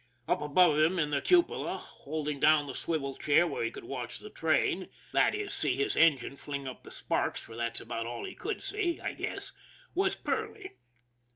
Up above him in the cupola, holding down the swivel chair where he could watch the train that is, see his THE MAN WHO DIDN'T COUNT 251 engine fling up the sparks, for that's about all he could see, I guess was Perley.